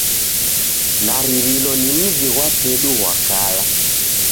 Naririlo ni mzi ghwa pedu ghwa kala.